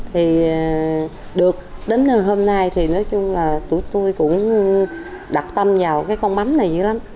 thì được đến hôm nay thì nói chung là tụi tôi cũng đặt tâm vào cái con mắm này vậy lắm